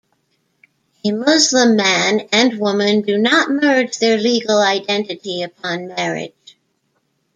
A Muslim man and woman do not merge their legal identity upon marriage.